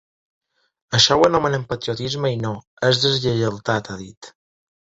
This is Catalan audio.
Això ho anomenen patriotisme i no, és deslleialtat, ha dit.